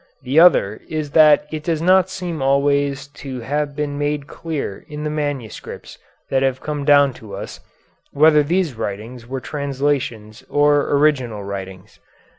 The other is that it does not seem always to have been made clear in the manuscripts that have come down to us, whether these writings were translations or original writings.